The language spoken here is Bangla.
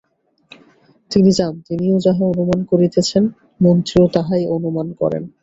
তিনি চান, তিনিও যাহা অনুমান করিতেছেন, মন্ত্রীও তাহাই অনুমান করেন।